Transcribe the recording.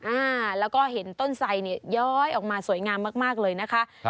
อ่าแล้วก็เห็นต้นไสเนี่ยย้อยออกมาสวยงามมากมากเลยนะคะครับ